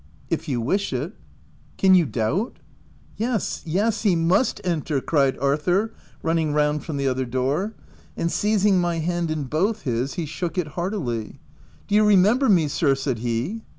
" If you wish it." " Can you doubt ?"" Yes, yes ! he must enter, '* cried Arthur running round from the other door ; and seiz ing my hand in both his, he shook it heartily. "Do you remember me, sir?" said he.